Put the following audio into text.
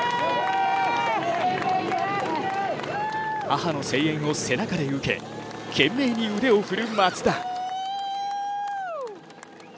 母の声援を背中で受け懸命に腕を振る松田。